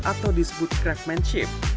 atau disebut craftmancy